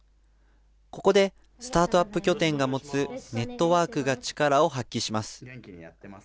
ここでスタートアップ拠点が持つネットワークが力を発揮します。